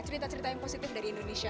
cerita cerita yang positif dari indonesia